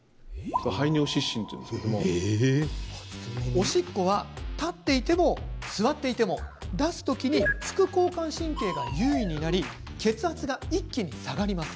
おしっこは立っていても座っていても出す時に副交感神経が優位になり血圧が一気に下がります。